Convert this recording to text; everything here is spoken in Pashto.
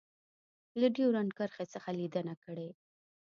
له ډیورنډ کرښې څخه لیدنه کړې